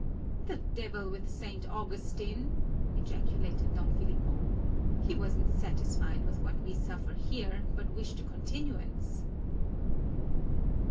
"The devil with St. Augustine!" ejaculated Don Filipo. "He wasn't satisfied with what we suffer here but wished a continuance."